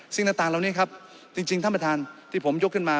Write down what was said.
สิ่งต่างเหล่านี้ครับจริงท่านประธานที่ผมยกขึ้นมา